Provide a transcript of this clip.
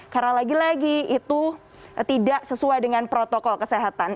karena lagi lagi itu tidak sesuai dengan protokol kesehatan